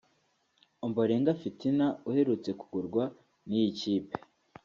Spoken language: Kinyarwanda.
Ombolenga Fitina uherutse kugurwa n’iyi kipe